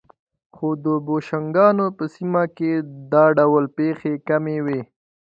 خو د بوشنګانو په سیمه کې دا ډول پېښې کمې وې.